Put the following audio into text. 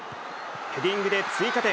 ヘディングで追加点。